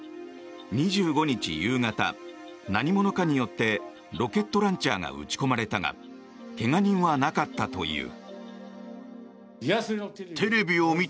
２５日夕方、何者かによってロケットランチャーが撃ち込まれたが怪我人はなかったという。